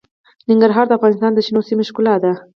ننګرهار د افغانستان د شنو سیمو ښکلا ده.